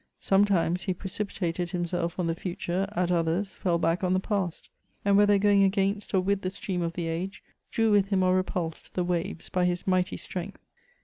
Sometimes he precipitated himself on the futiure, at others, fell back on the past ; and whether going against or with the stream of the age, drew with him or repulsed the waves by his mighty strength.